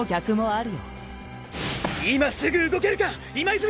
今すぐ動けるか今泉！！